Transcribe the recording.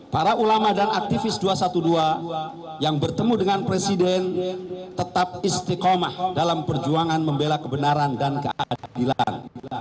para ulama dan aktivis dua ratus dua belas yang bertemu dengan presiden tetap istiqomah dalam perjuangan membela kebenaran dan keadilan